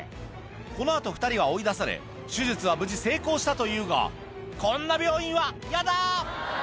このあと２人は追い出され、手術は無事成功したというが、こんな病院は嫌だ！